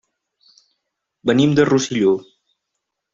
Venim de Rosselló.